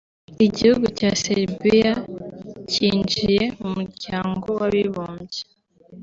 Igihugu cya Serbia cyinjiye mu muryango w’abibumbye